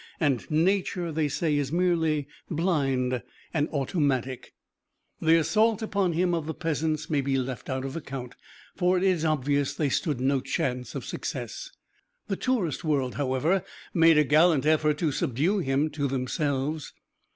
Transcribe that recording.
And Nature, they say, is merely blind and automatic. The assault upon him of the peasants may be left out of account, for it is obvious that they stood no chance of success. The tourist world, however, made a gallant effort to subdue him to themselves.